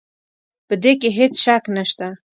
په دې کې هېڅ شک نه شته.